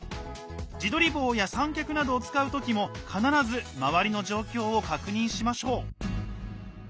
自撮り棒や三脚などを使う時も必ず周りの状況を確認しましょう。